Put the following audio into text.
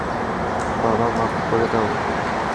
বাবা, মাফ করে দাও।